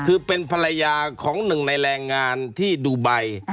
คือเป็นภรรยาของหนึ่งในแรงงานที่ดูไบ